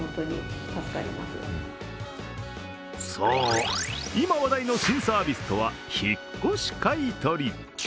そう、今話題の新サービスとは引っ越し買い取り。